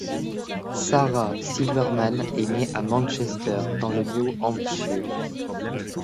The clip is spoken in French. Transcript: Sarah Silverman est née à Manchester, dans le New Hampshire.